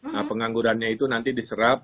nah penganggurannya itu nanti diserap